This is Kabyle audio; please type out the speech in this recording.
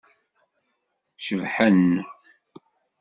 Cebḥen.